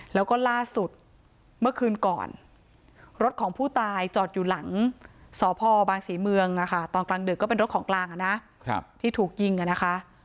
แล้วก็ล่าสุดเมื่อคืนก่อนรถของผู้ตายจอดอยู่หลังสพบางศรีเมืองตอนกลางดึกก็เป็นรถของกลางที่ถูกยิงนะคะ